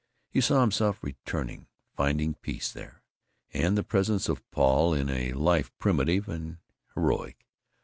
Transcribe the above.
He saw himself returning; finding peace there, and the presence of Paul, in a life primitive and heroic.